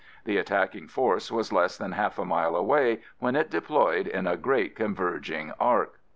The attacking force was less than half a mile away when it deployed in a great converging arc.